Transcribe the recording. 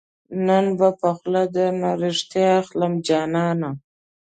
نن به خوله درنه ريښتیا اخلم جانانه